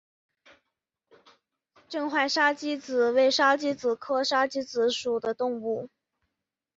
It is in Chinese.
正环沙鸡子为沙鸡子科沙子鸡属的动物。